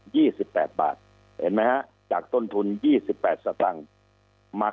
สิบแปดบาทเห็นไหมฮะจากต้นทุนยี่สิบแปดสตังค์มา